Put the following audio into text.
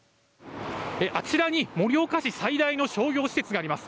あちらに盛岡市最大の商業施設があります。